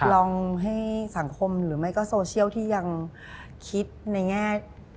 ลองให้สังคมหรือไม่ก็โซเชียลที่ยังคิดในแง่